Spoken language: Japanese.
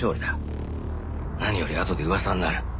何よりあとで噂になる。